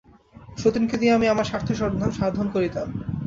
সতিনকে দিয়া আমি আমার স্বার্থ সাধন করিতাম।